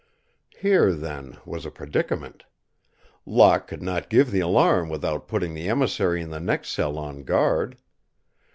Here, then, was a predicament. Locke could not give the alarm without putting the emissary in the next cell on guard.